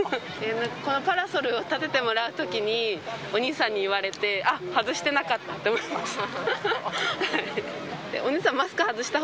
このパラソルを立ててもらうときに、お兄さんに言われて、あっ、外してなかったと思いました。